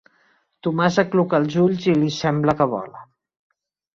Tomàs acluca els ulls i li sembla que vola.